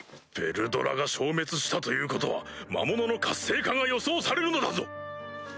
ヴェルドラが消滅したということは魔物の活性化が予想されるのだぞ